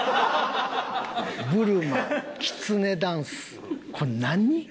ブルマきつねダンスこれ何？